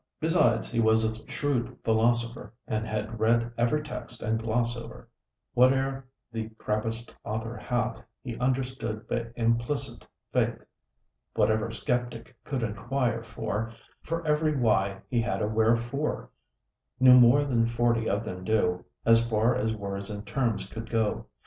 ....... Beside, he was a shrewd Philosopher, And had read every text and gloss over: Whate'er the crabbed'st author hath, He understood b' implicit faith: Whatever Skeptic could inquire for; For every WHY he had a WHEREFORE: Knew more than forty of them do, As far as words and terms could go.